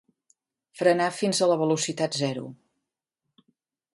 Frenar fins a la velocitat zero.